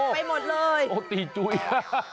ไปหมดเลยโอ้ยตีจุเยี๊ยะ